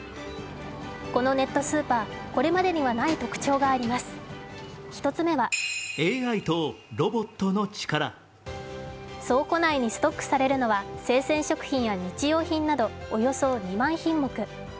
このネットスーパー、これまでにはない特徴があります、１つ目は倉庫内にストックされるのは生鮮食品や日用品などおよそ２万品目。